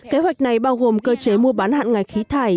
kế hoạch này bao gồm cơ chế mua bán hạn ngạch khí thải